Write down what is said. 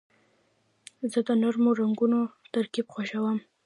زه د نرمو رنګونو ترکیب خوښوم.